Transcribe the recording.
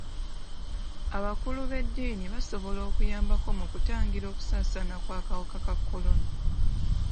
Abakulu b'edddiini basobola okuyambako mu kutangira okusaasaana kw'akawuka ka kolona.